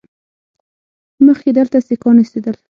مخکې دلته سیکان اوسېدل